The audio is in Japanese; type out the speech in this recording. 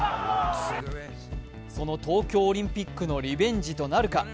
その東京オリンピックのリベンジとなるか。